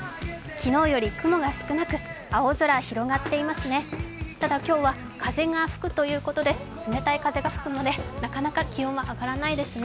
昨日より雲が少なく、青空が広がっていますね。